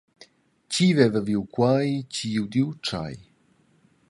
Tgi veva viu quei, tgi udiu tschei.